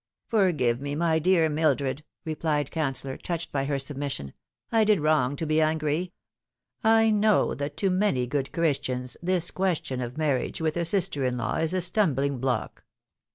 " Forgive me, my dear Mildred," replied Canceller, touched by her submission. " I did wrong to be angry. I know that to many good Christians this question of marriage with a sister in law is a stumbling block.